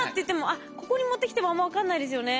あっここに持ってきてもあんま分かんないですよね。